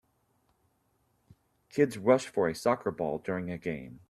Kids rush for a soccer ball during a game.